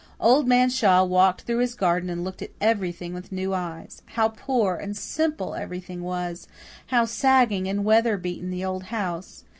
Old Man Shaw walked through his garden and looked at everything with new eyes. How poor and simple everything was! How sagging and weather beaten the old house!